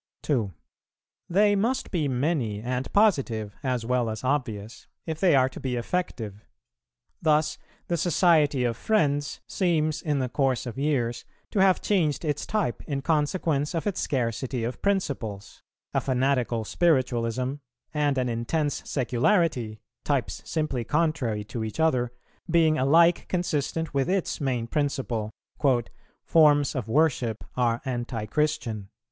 2. They must be many and positive, as well as obvious, if they are to be effective; thus the Society of Friends seems in the course of years to have changed its type in consequence of its scarcity of principles, a fanatical spiritualism and an intense secularity, types simply contrary to each other, being alike consistent with its main principle, "Forms of worship are Antichristian."